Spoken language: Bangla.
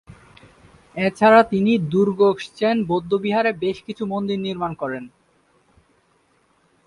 এছাড়া তিনি র্দ্জোগ্স-ছেন বৌদ্ধবিহারে বেশ কিছু মন্দির নির্মাণ করান।